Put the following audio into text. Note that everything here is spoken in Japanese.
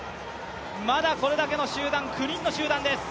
まだこれだけの集団、９人の集団です。